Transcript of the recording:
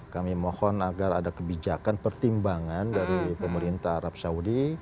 kami mohon agar ada kebijakan pertimbangan dari pemerintah arab saudi